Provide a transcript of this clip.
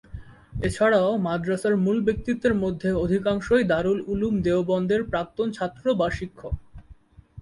এছাড়াও মাদ্রাসার মূল ব্যক্তিত্বের মধ্যে অধিকাংশই দারুল উলুম দেওবন্দের প্রাক্তন ছাত্র বা শিক্ষক।